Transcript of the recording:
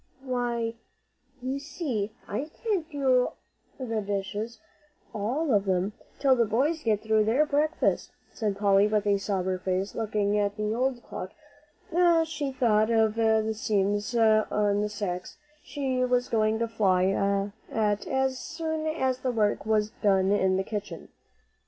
"Why, you see I can't do the dishes, all of 'em, till the boys get through their breakfast," said Polly, with a sober face, looking at the old clock, as she thought of the seams on the sacks she was going to fly at as soon as the work was done in the kitchen.